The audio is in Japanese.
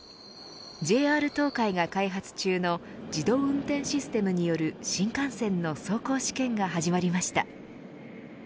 ＪＲ東海が開発中の自動運転システムによる新幹線の走行試験が始まりました。